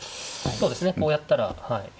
そうですねこうやったらはい。